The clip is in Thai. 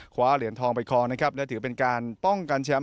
คว้าเหรียญทองไปคลองนะครับและถือเป็นการป้องกันแชมป์